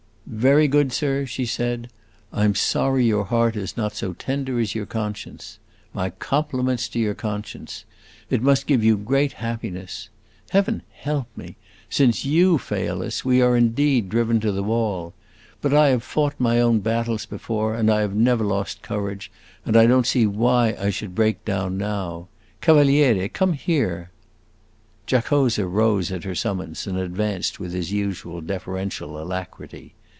"Very good, sir," she said. "I 'm sorry your heart is not so tender as your conscience. My compliments to your conscience! It must give you great happiness. Heaven help me! Since you fail us, we are indeed driven to the wall. But I have fought my own battles before, and I have never lost courage, and I don't see why I should break down now. Cavaliere, come here!" Giacosa rose at her summons and advanced with his usual deferential alacrity.